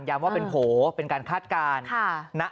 ว่าเป็นโผล่เป็นการคาดการณ์